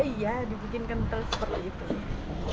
iya dibikin kental seperti itu ya